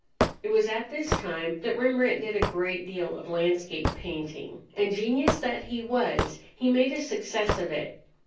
It was at this time that Rembrandt did a great deal of landscape painting, and genius that he was, he made a success of it.